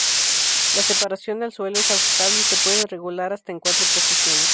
La separación al suelo es ajustable y se puede regular hasta en cuatro posiciones.